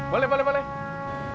boleh boleh boleh